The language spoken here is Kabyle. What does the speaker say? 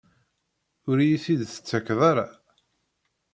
Ur iyi-t-id-tettakeḍ ara?